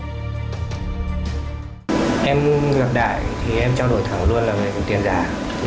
khi gặp đại thì em trao đổi thẳng luôn là về tiền giả